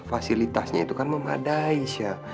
fasilitasnya itu kan memadai sya